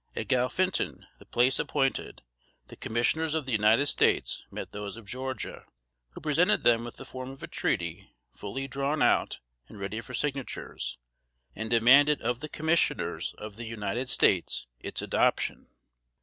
At Galphinton, the place appointed, the Commissioners of the United States met those of Georgia, who presented them with the form of a treaty fully drawn out and ready for signatures, and demanded of the Commissioners of the United States its adoption.